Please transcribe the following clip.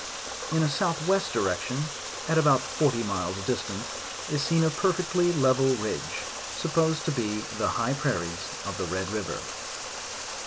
In a south west direction, at about forty miles distance, is seen a perfectly level ridge, supposed to be the high prairies of the Red river.